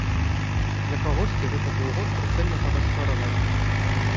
Для кагосьці гэта быў год суцэльнага расчаравання.